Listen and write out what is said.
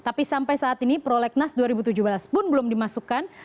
tapi sampai saat ini prolegnas dua ribu tujuh belas pun belum dimasukkan